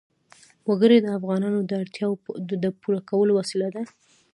وګړي د افغانانو د اړتیاوو د پوره کولو وسیله ده.